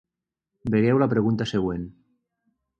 Vegeu la pregunta següent.